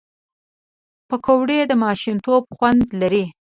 پکورې د ماشومتوب خوند لري